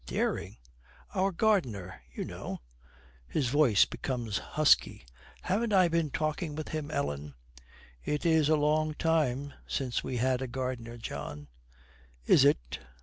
'Dering?' 'Our gardener, you know.' His voice becomes husky. 'Haven't I been talking with him, Ellen?' 'It is a long time since we had a gardener, John.' 'Is it?